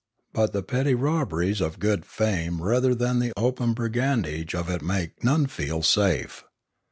But the petty robberies of good fame rather than the open brigandage of it make none feel safe.